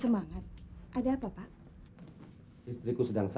aku akan ketemu kamu twenty twice ini setelah kacau